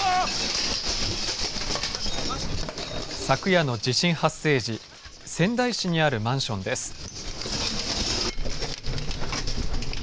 昨夜の地震発生時、仙台市にあるマンションです。